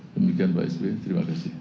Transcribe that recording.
demikian pak sby terima kasih